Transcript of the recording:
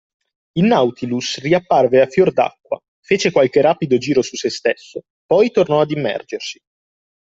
Il Nautilus riapparve a fior d’acqua, fece qualche rapido giro su se stesso, poi tornò ad immergersi.